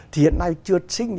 thì hiện nay chưa sinh